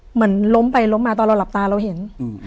เหมือนล้มไปล้มมาตอนเราหลับตาเราเห็น